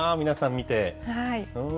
皆さん、見て。